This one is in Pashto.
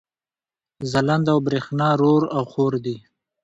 ځلاند او برېښنا رور او حور دي